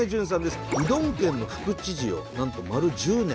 うどん県の副知事をなんと丸１０年。